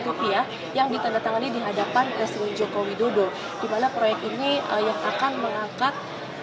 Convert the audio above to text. rupiah yang ditandatangani di hadapan presiden joko widodo dimana proyek ini yang akan mengangkat